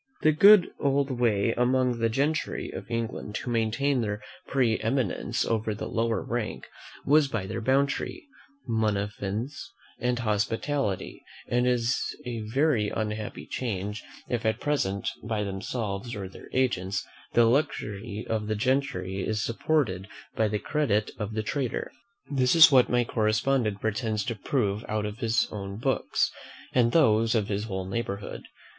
The good old way among the gentry of England to maintain their pre eminence over the lower rank, was by their bounty, munificence, and hospitality; and it is a very unhappy change, if at present, by themselves or their agents, the luxury of the gentry is supported by the credit of the trader. This is what my correspondent pretends to prove out of his own books, and those of his whole neighbourhood.